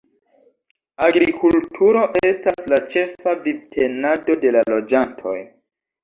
Agrikulturo estas la ĉefa vivtenado de la loĝantoj.